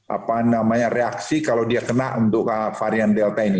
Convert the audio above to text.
apa namanya reaksi kalau dia kena untuk varian delta ini